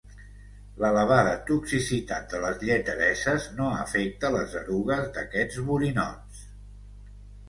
L'elevada toxicitat de les lletereses no afecta les erugues d'aquests borinots.